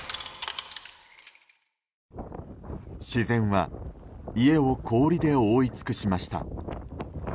自然は家を氷で覆い尽くしました。